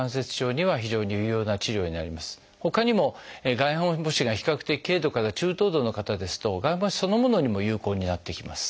ほかにも外反母趾が比較的軽度から中等度の方ですと外反母趾そのものにも有効になってきます。